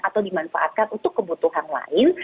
atau dimanfaatkan untuk kebutuhan lain